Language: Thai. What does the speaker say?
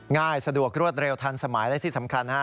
ง่ายสะดวกรวดเร็วทันสมัยและที่สำคัญฮะ